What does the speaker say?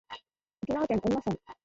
沖縄県恩納村